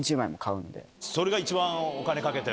それが一番お金かけてる？